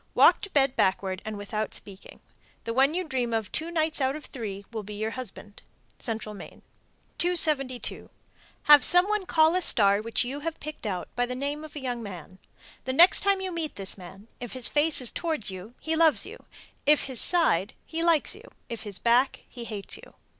Walk to bed backward and without speaking. The one you dream of two nights out of three will be your husband. Central Maine. 272. Have some one call a star which you have picked out, by the name of a young man. The next time you meet this man, if his face is toward you, he loves you; if his side, he likes you; if his back, he hates you.